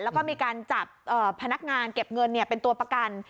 แล้วก็มีการจับพนักงานเก็บเงินเป็นตัวประกัน